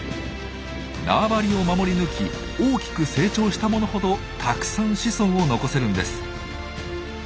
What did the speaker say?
縄張りを守り抜き大きく成長した者ほどたくさん子孫を残せるんです。